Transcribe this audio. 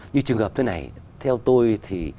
như trường hợp thế này theo tôi thì